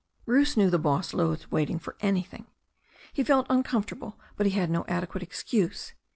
Bruce knew the boss loathed waiting for anything. He felt uncomfortable, but he had no adequate excuse.